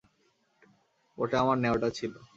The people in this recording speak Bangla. ওটা আমার ন্যাওটা ছিল।